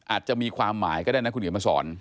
อาจจะมีความหมายก็ได้นครอี๋แอลมาสอน